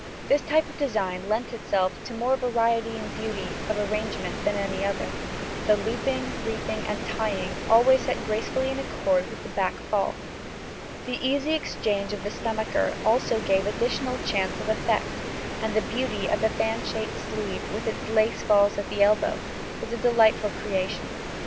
This type of design lent itself to more variety in beauty of arrangement than any other; the looping, reefing, and tying always set gracefully in accord with the back fall. The easy exchange of the stomacher also gave additional chance of effect, and the beauty of the fan shaped sleeve, with its lace falls at the elbow, was a delightful creation.